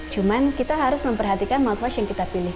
cuman kita harus memperhatikan manfaat yang kita pilih